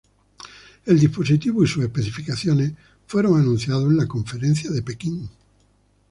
El dispositivo y sus especificaciones fueron anunciados en la conferencia de Pekín.